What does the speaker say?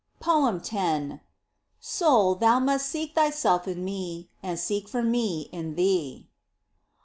Poem io. "SOUL, THOU MUST SEEK THYSELF IN ME, AND SEEK FOR ME IN THEE."